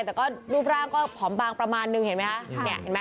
แต่ก็ก็รูปร่างก็ผอมปางประมาณนึงเห็นไหม